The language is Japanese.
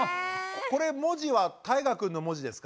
これ文字はたいがくんの文字ですか？